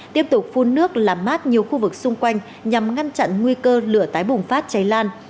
tiếp tục phun nước làm mát nhiều khu vực xung quanh nhằm ngăn chặn nguy cơ lửa tái bùng phát cháy lan